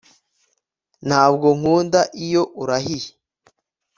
Ntabwo nkunda iyo urahiye